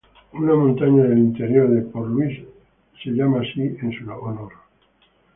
Una montaña del interior de Port Louis es llamada así en su honor.